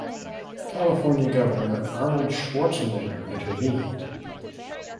California governor Arnold Schwarzenegger intervened.